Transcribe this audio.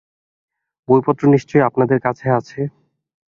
বইপত্র নিশ্চয়ই আপনাদের কাছে আছে।